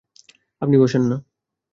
আপনি বসেন না।